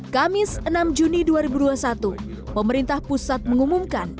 kamis enam juni dua ribu dua puluh satu pemerintah pusat mengumumkan